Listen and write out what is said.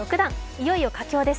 いよいよ佳境です